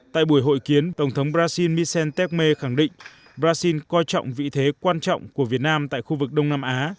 tại buổi hội kiến tổng thống brazil michel tecme khẳng định brazil coi trọng vị thế quan trọng của việt nam tại khu vực đông nam á